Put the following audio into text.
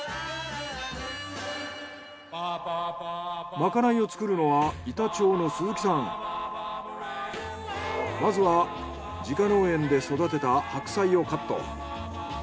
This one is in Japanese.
まかないを作るのはまずは自家農園で育てた白菜をカット。